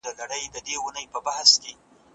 څنګه سوداګریز شرکتونه قیمتي ډبرې ترکیې ته لیږدوي؟